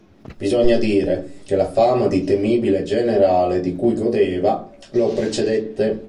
Bisogna dire che la fama di temibile generale di cui godeva lo precedette.